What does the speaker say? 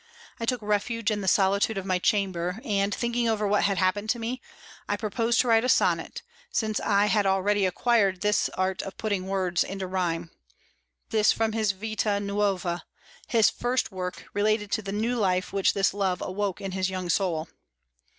I took refuge in the solitude of my chamber; and, thinking over what had happened to me, I proposed to write a sonnet, since I had already acquired the art of putting words into rhyme," This, from his "Vita Nuova," his first work, relating to the "new life" which this love awoke in his young soul.